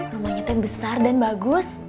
rumahnya tem besar dan bagus